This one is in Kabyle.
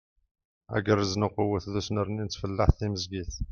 Agerrez n uqewwet d usnerni n tfellaḥt timezgit.